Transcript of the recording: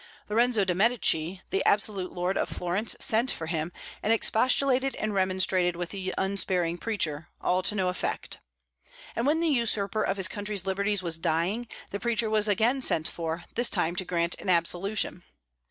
Lorenzo de' Medici, the absolute lord of Florence, sent for him, and expostulated and remonstrated with the unsparing preacher, all to no effect. And when the usurper of his country's liberties was dying, the preacher was again sent for, this time to grant an absolution.